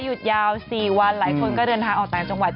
หยุดยาว๔วันหลายคนก็เดินทางออกต่างจังหวัด